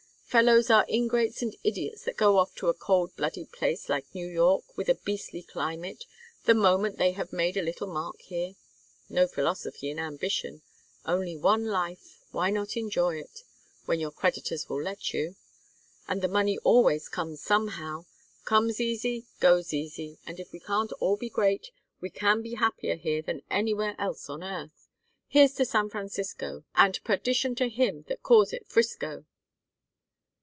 Fellows are ingrates and idiots that go off to a cold blooded place like New York, with a beastly climate, the moment they have made a little mark here. No philosophy in ambition. Only one life. Why not enjoy it when your creditors will let you? And the money always comes somehow comes easy, goes easy, and if we can't all be great, we can be happier here than anywhere else on earth. Here's to San Francisco and perdition to him that calls it 'Frisco!"